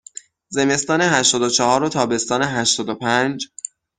زمستان هشتاد و چهار و تابستان هشتاد و پنج